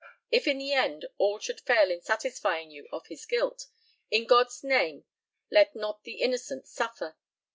If in the end all should fail in satisfying you of his guilt, in God's name let not the innocent suffer!